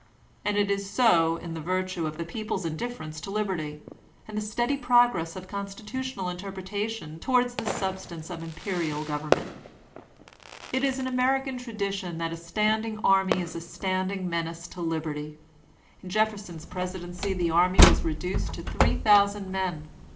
And it is so in virtue of the people's indifference to liberty, and the steady progress of constitutional interpretation towards the substance of imperial government It is an American tradition that a standing army is a standing menace to liberty ; in Jefferson's presidency the anny was reduced to 3,000 men.